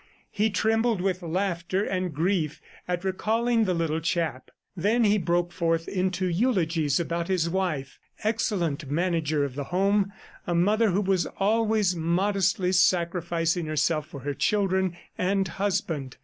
He trembled with laughter and grief at recalling the little chap. Then he broke forth into eulogies about his wife excellent manager of the home, a mother who was always modestly sacrificing herself for her children and husband.